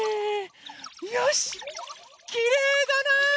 よしきれいだな！